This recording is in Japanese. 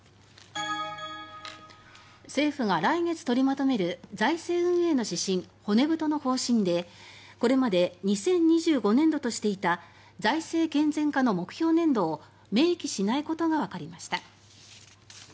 政府が来月取りまとめる財政運営の指針、骨太の方針でこれまで２０２５年度としていた財政健全化の目標年度を明記しないことがわかりました。